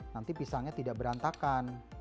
nanti pisangnya tidak berantakan